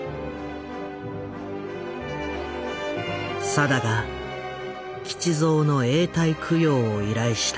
定が吉蔵の永代供養を依頼した